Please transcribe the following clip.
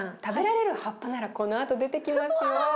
食べられる葉っぱならこのあと出てきますよ。